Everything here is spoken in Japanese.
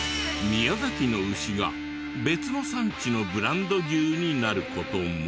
宮崎の牛が別の産地のブランド牛になる事も。